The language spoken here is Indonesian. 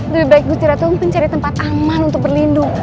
lebih baik gusti ratu mungkin cari tempat aman untuk berlindung